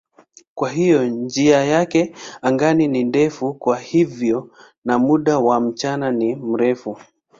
Kwa hiyo njia yake angani ni ndefu na hivyo muda wa mchana ni mrefu.